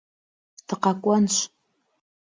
Дыкъэкӏуэнщ.